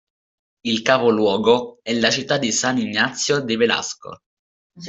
Il capoluogo è la città di San Ignacio de Velasco.